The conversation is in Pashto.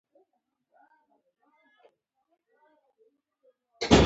رس د ناري برخه کیدی شي